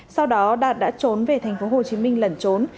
sau đó đạt đã trốn về thành phố hồ chí minh lẩn trốn